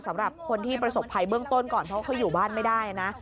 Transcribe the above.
สำหรับคนที่ประสบภัยเบื้องต้นก่อนเพราะเขาอยู่บ้านไม่ได้นะ